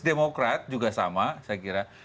demokrat juga sama saya kira